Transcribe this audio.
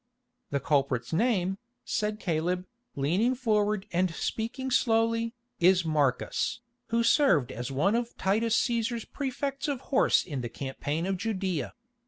"The culprit's name," said Caleb, leaning forward and speaking slowly, "is Marcus, who served as one of Titus Cæsar's prefects of horse in the campaign of Judæa.